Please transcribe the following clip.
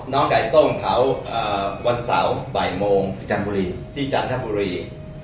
ไก่ต้มเขาวันเสาร์บ่ายโมงจันทบุรีที่จันทบุรี